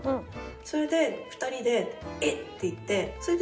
それで２人で「えっ！？」って言ってそれで。